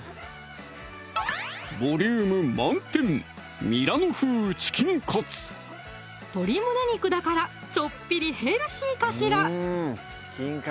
ボリューム満点鶏胸肉だからちょっぴりヘルシーかしら？